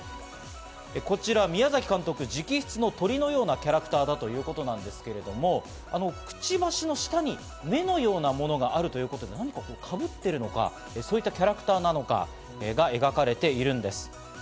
こちら、宮崎監督直筆の鳥のようなキャラクターだということなんですけれども、くちばしの下に目のようなものがあるということで、何かをかぶっているのか、そういったキャラクターなのか、描かれているんです。